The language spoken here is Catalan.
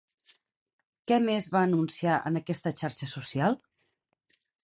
Què més va anunciar en aquesta xarxa social?